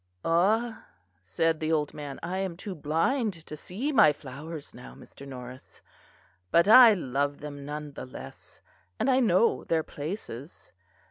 "Ah," said the old man, "I am too blind to see my flowers now, Mr. Norris; but I love them none the less; and I know their places.